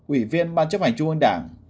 ủy viên ban chấp hành trung ương đảng